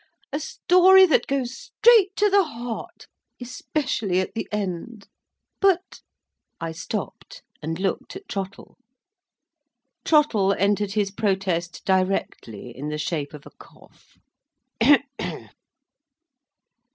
"A story that goes straight to the heart—especially at the end. But"—I stopped, and looked at Trottle. Trottle entered his protest directly in the shape of a cough.